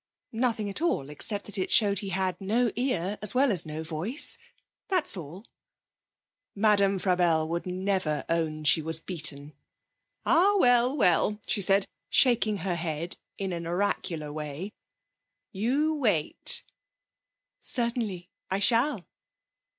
'Nothing at all. Except that it showed he had no ear, as well as no voice. That is all.' Madame Frabelle would never own she was beaten. 'Ah, well, well,' she said, shaking her head in an oracular way. 'You wait!' 'Certainly. I shall.'